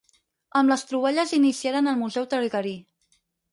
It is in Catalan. Amb les troballes iniciaren el museu targarí.